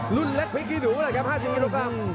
รุ่นเล็กพลิกขี้หนูนะครับ๕๐กิโลกรัม